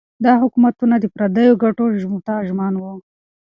دا حکومتونه د پردیو ګټو ته ژمن وو.